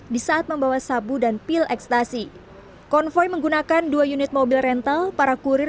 di saat membawa sabu dan pil ekstasi konvoy menggunakan dua unit mobil rental para kurir